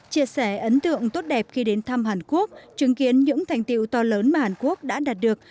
chia sẻ ấn tượng tốt đẹp khi đến thăm hàn quốc chứng kiến những thành tiệu to lớn mà hàn quốc đã đạt được